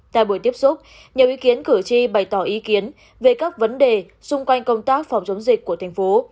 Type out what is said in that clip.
tại buổi tiếp xúc nhiều ý kiến cử tri bày tỏ ý kiến về các vấn đề xung quanh công tác phòng chống dịch của thành phố